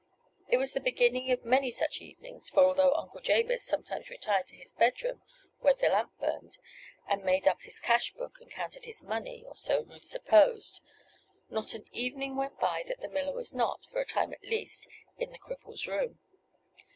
It was the beginning of many such evenings, for although Uncle Jabez sometimes retired to his bedroom where a lamp burned, and made up his cash book and counted his money (or so Ruth supposed) not an evening went by that the miller was not, for a time at least, in the cripple's room.